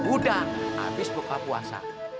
udah abis buka puasa